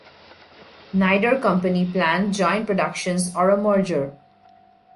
Neither company planned joint productions or a merger.